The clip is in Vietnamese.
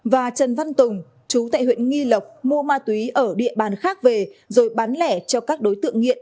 và trần văn tùng chú tại huyện nghi lộc mua ma túy ở địa bàn khác về rồi bán lẻ cho các đối tượng nghiện